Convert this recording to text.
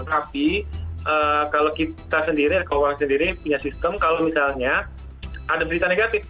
tapi kalau kita sendiri keuangan sendiri punya sistem kalau misalnya ada berita negatif